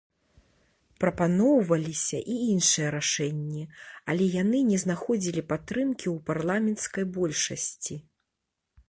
Прапаноўваліся і іншыя рашэнні, але яны не знаходзілі падтрымкі ў парламенцкай большасці.